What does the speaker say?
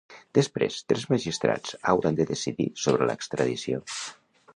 Després, tres magistrats hauran de decidir sobre l’extradició.